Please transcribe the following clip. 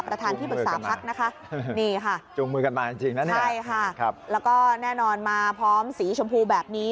ประธานที่ปรึกษาพักนะคะนี่ค่ะใช่ค่ะแล้วก็แน่นอนมาพร้อมสีชมพูแบบนี้